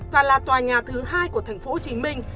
và là tòa nhà thứ hai của thành phố hồ chí minh